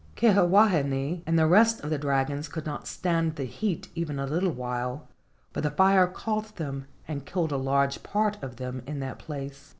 Kiha wahine and the rest of the dragons could not stand the heat even a little while, for the fire caught them and killed a large part of them in that place.